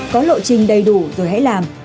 có lộ trình đầy đủ rồi hãy làm